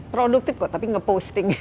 produktif kok tapi ngeposting